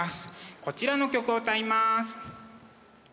こちらの曲を歌います。